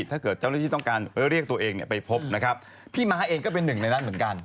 เจ้าหน้าที่ต้องการเรียกตัวเองไปพบนะครับพี่ม้าเองก็เป็นหนึ่งในนั้นเหมือนกัน